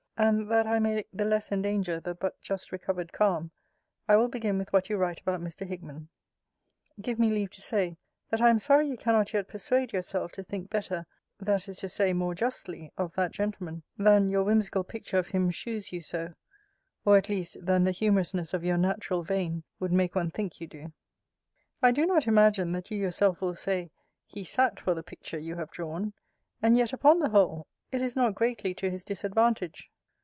And that I may the less endanger the but just recovered calm, I will begin with what you write about Mr. Hickman. Give me leave to say, That I am sorry you cannot yet persuade yourself to think better, that is to say, more justly, of that gentleman, than your whimsical picture of him shews you so; or, at least, than the humourousness of your natural vein would make one think you do. I do not imagine, that you yourself will say, he sat for the picture you have drawn. And yet, upon the whole, it is not greatly to his disadvantage.